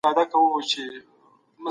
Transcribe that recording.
مرسته کوونکي هیوادونه د کډوالو ملاتړ کوي.